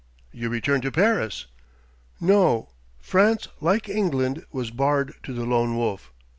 "You returned to Paris?" "No: France, like England, was barred to the Lone Wolf....